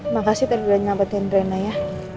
makasih tadi udah nyelamatkan reina ya